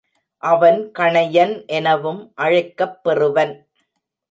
அவன் கணையன் எனவும் அழைக்கப் பெறுவன்.